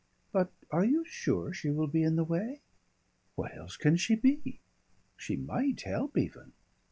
But are you sure she will be in the way?" "What else can she be?" "She might help even."